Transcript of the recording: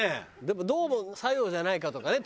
でもどうも佐用じゃないかとかね